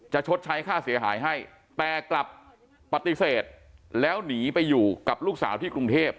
ชดใช้ค่าเสียหายให้แต่กลับปฏิเสธแล้วหนีไปอยู่กับลูกสาวที่กรุงเทพ